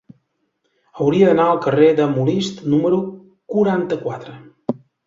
Hauria d'anar al carrer de Molist número quaranta-quatre.